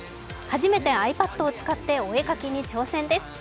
初めてｉＰａｄを使って、お絵描きに挑戦です。